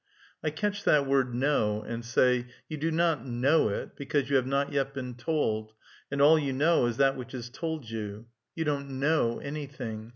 I catch that word "know," and say, "You do not know it, because you have not yet been told, and all you know is that which is told you. You don't know anything.